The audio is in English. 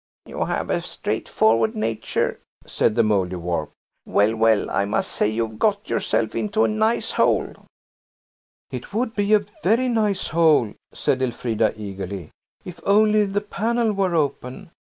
"You have a straightforward nature," said the Mouldiwarp. "Well, well, I must say you've got yourself into a nice hole!" "It would be a very nice hole," said Elfrida eagerly, "if only the panel were open.